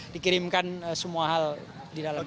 dikirimkan semua hal di dalam